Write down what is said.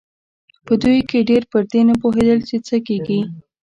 په دوی کې ډېر پر دې نه پوهېدل چې څه کېږي.